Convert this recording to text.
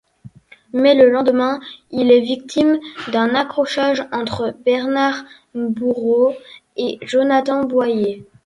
Mais le lendemain, il est victime d'un accrochage entre Bernard Bourreau et Jonathan Boyer.